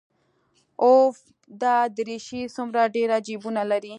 اوف دا دريشي څومره ډېر جيبونه لري.